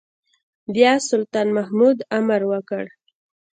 بيا سلطان محمود امر وکړ.